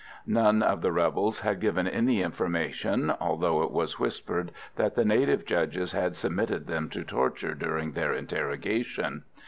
None of the rebels had given any information, although it was whispered that the native judges had submitted them to torture during their interrogation.